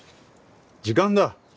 時間だ！